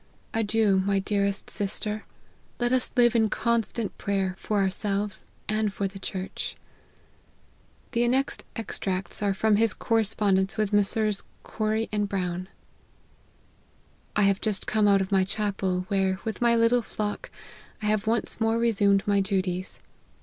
Adieu, my dearest sister : let us live in constant prayer, for ourselves, and for the church." The annexed extracts are from his correspond ence with Messrs. Corrie and Brown :" I have just come out of my chapel, where, with my little flock, I have once more resumed my duties.